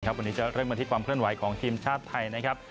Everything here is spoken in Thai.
วันนี้จะเริ่มกันที่ความเคลื่อนไหวของทีมชาติไทยนะครับ